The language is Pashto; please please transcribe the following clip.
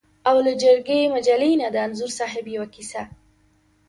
او له جرګې مجلې نه د انځور صاحب یوه کیسه.